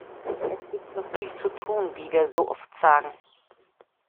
Es gibt noch viel zu tun, wie wir so oft sagen.